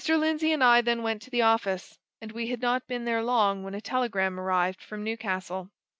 Lindsey and I then went to the office, and we had not been there long when a telegram arrived from Newcastle.